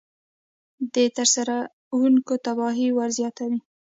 د ترسروونکي تباهي ورزیاتوي.